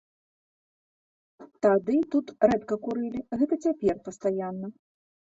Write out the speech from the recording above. Тады тут рэдка курылі, гэта цяпер пастаянна.